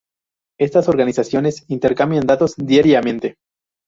Estas organizaciones intercambian datos diariamente.